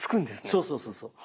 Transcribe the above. そうそうそうそう。